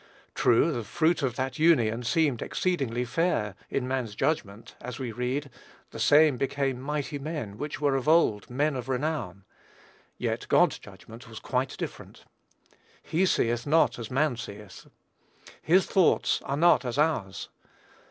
True, the fruit of that union seemed exceedingly fair, in man's judgment, as we read, "the same became mighty men, which were of old, men of renown;" yet, God's judgment was quite different. He seeth not as man seeth. His thoughts are not as ours.